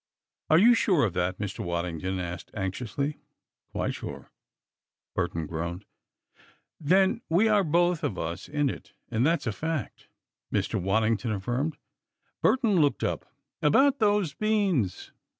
"Are you sure of that?" Mr. Waddington asked anxiously. "Quite sure!" Burton groaned. "Then we are both of us in it, and that's a fact," Mr. Waddington affirmed. Burton looked up. "About those beans?"